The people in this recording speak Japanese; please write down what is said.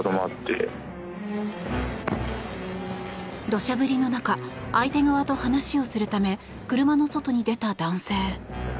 土砂降りの中相手側と話をするため車の外に出た男性。